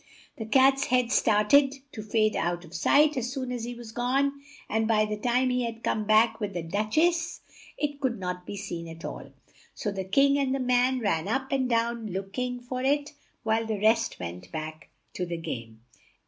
The Cat's head start ed to fade out of sight as soon as he was gone, and by the time he had come back with the Duch ess, it could not be seen at all; so the King and the man ran up and down look ing for it, while the rest went back to the game.